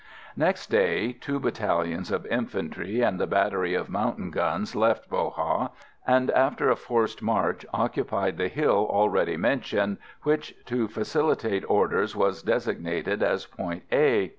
] Next day two battalions of infantry and the battery of mountain guns left Bo Ha, and, after a forced march, occupied the hill already mentioned, which to facilitate orders was designated as Point A.